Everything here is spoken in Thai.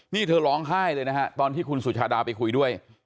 นี่เธอร้องไห้เลยนะฮะตอนที่คุณสุชาดาไปคุยด้วย